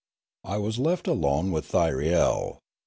I was left alone with Thyriel.